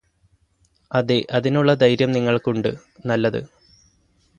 അതെ അതിനുള്ള ധൈര്യം നിങ്ങൾക്കുണ്ട് നല്ലത്